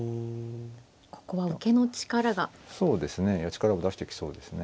力を出してきそうですね。